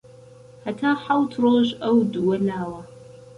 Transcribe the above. هەتا حەوت ڕۆژ ئەو دوو لاوە